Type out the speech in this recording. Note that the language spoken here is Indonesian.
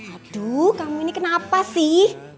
aduh kamu ini kenapa sih